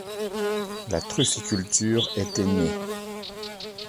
La trufficulture était née.